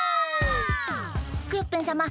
クヨッペンさま